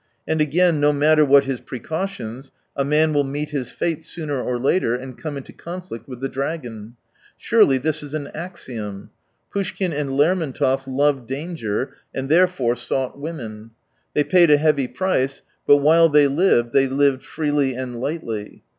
And again, no matter what his precautions, a man will meet his fate sooner or later, and come into cdnflict with the dragon. Surely this is an axiom. Poushkin and Lermontov Idved danger, and therefore sought women. They paid a heavy price, but while they lived they lived freely and lightly.